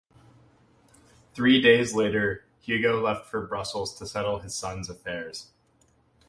Three days later Hugo left for Brussels to settle his son's affairs.